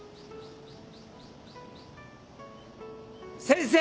先生！